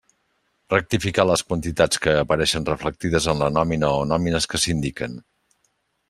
Rectificar les quantitats que apareixen reflectides en la nòmina o nòmines que s'indiquen.